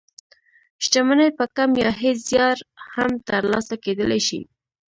شتمني په کم يا هېڅ زيار هم تر لاسه کېدلای شي.